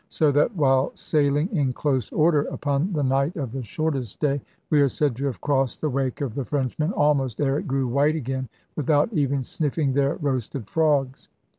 So that, while sailing in close order, upon the night of the shortest day, we are said to have crossed the wake of the Frenchmen, almost ere it grew white again, without even sniffing their roasted frogs.